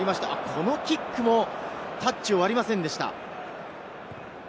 このキックもタッチを割りませんでした。